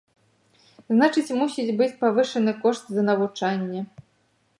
Значыць мусіць быць павышаны кошт за навучанне.